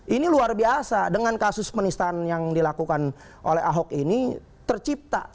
ini luar biasa dengan kasus penistaan yang dilakukan oleh ahok ini tercipta